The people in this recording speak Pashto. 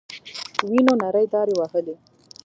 وينو نرۍ دارې وهلې.